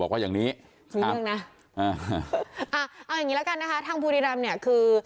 เอางี้นะคะทางภูมิดิลำเนี่ยคือ